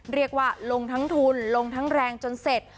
เรียกว่าลงทั้งทุนลงทั้งแรงจนเสร็จ